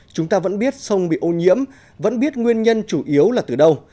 chúng ta vẫn biết sông bị ô nhiễm vẫn biết nguyên nhân chủ yếu là từ đâu